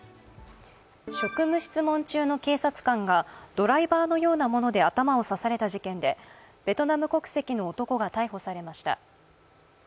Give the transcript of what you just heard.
職務質問中の警察官がドライバーのようなもので頭を刺された事件でベトナム国籍の男が逮捕されました。